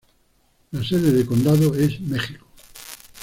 La sede de condado es Mexico.